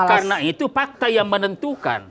karena itu fakta yang menentukan